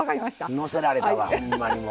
乗せられたわほんまにもう。